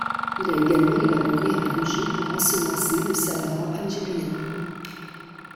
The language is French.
Il a également élaboré un projet pour ensemencer le Sahara algérien.